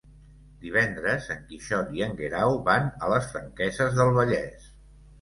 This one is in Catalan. Divendres en Quixot i en Guerau van a les Franqueses del Vallès.